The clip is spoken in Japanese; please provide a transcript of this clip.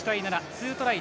２トライ